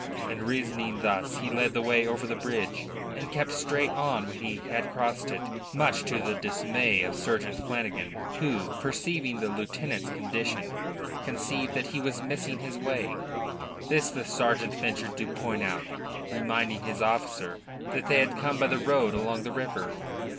And reasoning thus he led the way over the bridge, and kept straight on when he had crossed it, much to the dismay of Sergeant Flanagan, who, perceiving the lieutenant's condition, conceived that he was missing his way. This the sergeant ventured to point out, reminding his officer that they had come by the road along the river.